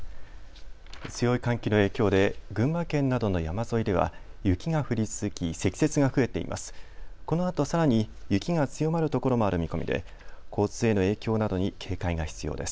強い寒気の影響で群馬県などの山沿いでは雪が降り続き積雪が増えています。